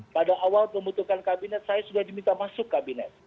pada awal membutuhkan kabinet saya sudah diminta masuk kabinet